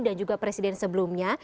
dan juga presiden sebelumnya